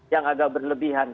yang agak berlebihan